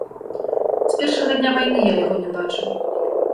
З першага дня вайны я яго не бачыў.